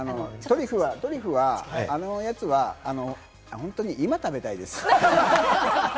トリュフは、あのおやつは、今食べたいです。